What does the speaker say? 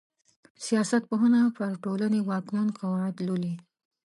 سياست پوهنه پر ټولني واکمن قواعد لولي.